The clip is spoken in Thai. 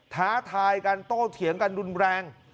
ท้าทายกันโต้เถียงกันรุนแรง